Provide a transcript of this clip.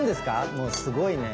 もうすごいね。